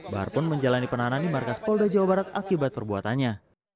bahar pun menjalani penahanan di markas polda jawa barat akibat perbuatannya